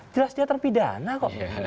jelas dia terpidana kok